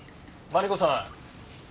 マリコさん。